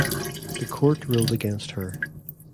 The court ruled against her.